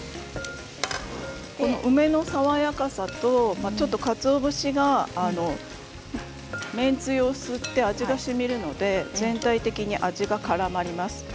梅の爽やかさとちょっと、かつお節が麺つゆを吸って、味がしみるので全体的に味がからまります。